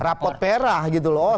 rapot perah gitu loh